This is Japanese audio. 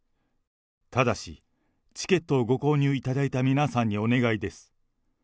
ただし、チケットをご購入いただいた皆さんにお願いです。